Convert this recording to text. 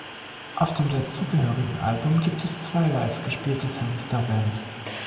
Auf dem dazugehörigen Album gibt es zwei live gespielte Songs der Band.